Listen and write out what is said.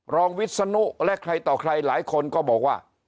วิศนุและใครต่อใครหลายคนก็บอกว่า